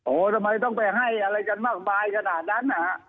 โอ้โหทำไมต้องไปให้อะไรกันมากมายขนาดนั้น